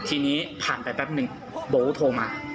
ทีนี้ผ่านไปแป๊บหนึ่งโบ๊โทรมา